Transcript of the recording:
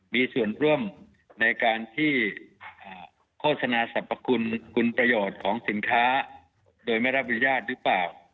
มีส่วนร่วมในการที่โฆษณาสรรพคุณคุณประโยชน์ของสินค้าโดยไม่รับอนุญาตหรือเปล่า